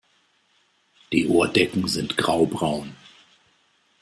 Die Ohrdecken sind graubraun.